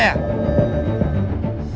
siapa yang suruh anda